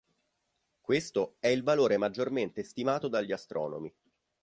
Questo è il valore maggiormente stimato dagli astronomi.